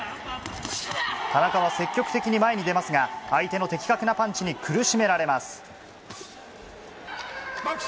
田中は積極的に前に出ますが相手の的確なパンチに苦しめられます。